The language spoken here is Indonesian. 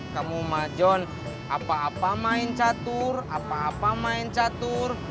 kamu majon apa apa main catur apa apa main catur